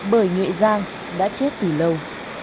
bởi nhuệ giang đã chết từ lâu